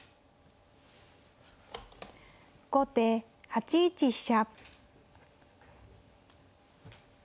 後手８一飛車。